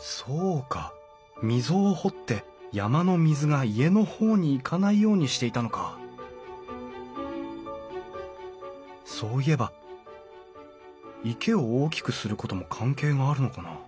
そうか溝を掘って山の水が家の方に行かないようにしていたのかそういえば池を大きくすることも関係があるのかな？